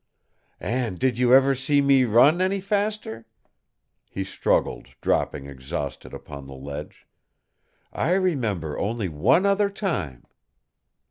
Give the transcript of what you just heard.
"And did you ever see me run any faster?" He struggled, dropping exhausted upon the sledge. "I remember only one other time."